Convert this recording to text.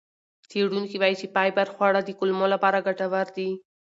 څېړونکي وایي چې فایبر خواړه د کولمو لپاره ګټور دي.